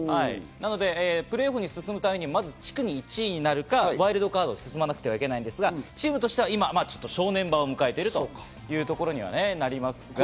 プレーオフに進むために、まず地区１位になるか、ワイルドカードに進まなくてはいけないんですが、チームとしては今、正念場を迎えているというところにはなります